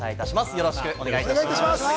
よろしくお願いします。